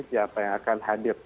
siapa yang akan hadir